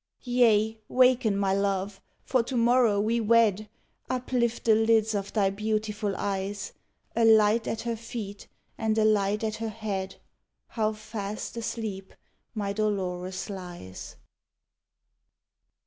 Yea, waken, my love, for to morrow we wed: Uplift the lids of thy beautiful eyes. A light at her feet and a light at her head, How fast asleep my Dolores lies!